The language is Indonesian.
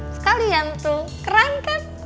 sekalian tuh keren kan